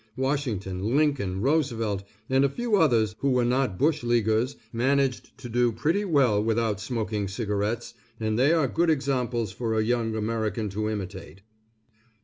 Washington, Lincoln, Roosevelt, and a few others who were not bush leaguers managed to do pretty well without smoking cigarettes, and they are good examples for a young American to imitate.